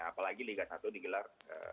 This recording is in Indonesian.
apalagi liga satu digelar